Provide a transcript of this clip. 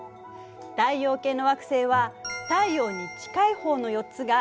太陽系の惑星は太陽に近い方の４つが地球型惑星。